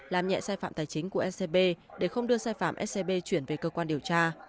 làm nhẹ sai phạm tài chính của scb để không đưa sai phạm scb chuyển về cơ quan điều tra